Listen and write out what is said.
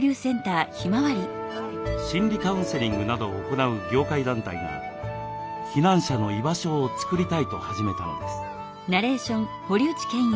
心理カウンセリングなどを行う業界団体が避難者の居場所を作りたいと始めたのです。